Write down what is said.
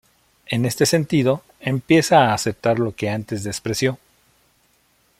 En este sentido, empieza a aceptar lo que antes despreció.